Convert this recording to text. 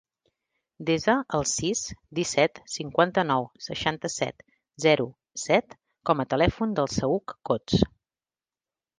Desa el sis, disset, cinquanta-nou, seixanta-set, zero, set com a telèfon del Saüc Cots.